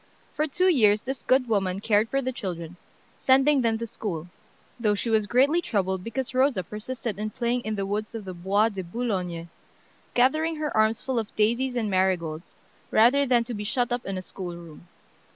For two years this good woman cared for the children, sending them to school, though she was greatly troubled because Rosa persisted in playing in the woods of the Bois de Boulogne, gathering her arms full of daisies and marigolds, rather than to be shut up in a schoolroom.